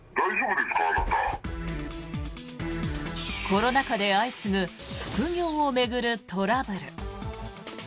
コロナ禍で相次ぐ副業を巡るトラブル。